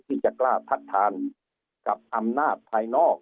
ที่จะกล้าพัดทานกับอำนาจภายนอก